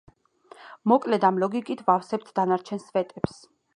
მოკლედ ამ ლოგიკით ვავსებთ დანარჩენ სვეტებს.